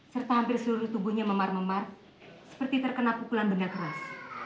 serta hampir seluruh tubuhnya memar memar seperti terkena pukulan benda keras